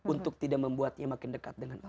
untuk tidak membuatnya makin dekat dengan allah